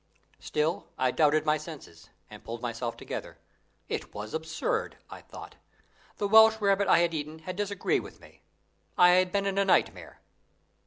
Still I doubted my senses, and pulled myself together. It was absurd, I thought. The Welsh rarebit I had eaten had disagreed with me. I had been in a nightmare.